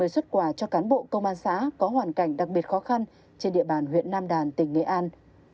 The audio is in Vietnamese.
một mươi xuất quà cho cán bộ công an xã có hoàn cảnh đặc biệt khó khăn trên địa bàn huyện nam đàn tỉnh nghệ an